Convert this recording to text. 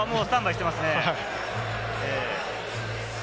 スタンバイしてますね。